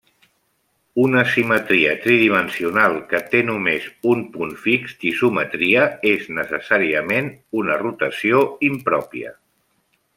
Una simetria tridimensional que té només un punt fix d'isometria és necessàriament una rotació impròpia.